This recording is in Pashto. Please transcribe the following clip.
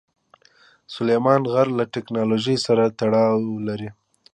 سلیمان غر له تکنالوژۍ سره تړاو لري.